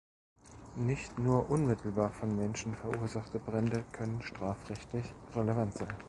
Nicht nur unmittelbar von Menschen verursachte Brände können strafrechtlich relevant sein.